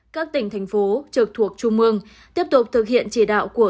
các tỉnh thành phố trực thuộc trung mương tiếp tục thực hiện chỉ đạo của